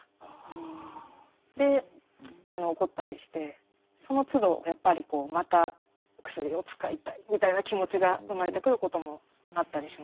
で起こったりしてそのつどやっぱりこうまた薬を使いたいみたいな気持ちが生まれてくることもあったりします。